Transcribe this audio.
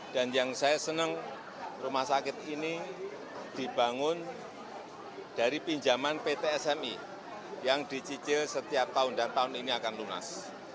dan yang saya senang rumah sakit ini dibangun dari pinjaman ptsmi yang dicicil setiap tahun dan tahun ini akan lunas